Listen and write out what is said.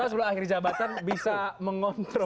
dua tahun sebelum akhir jabatan bisa mengontrol